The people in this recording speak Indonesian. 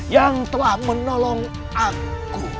yang telah menolong aku